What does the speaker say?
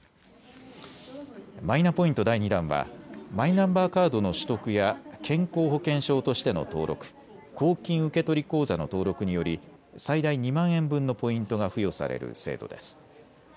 マイナポイント第２弾はマイナンバーカードの取得や健康保険証としての登録、公金受取口座の登録により最大２万円分のポイントが付与される制度です。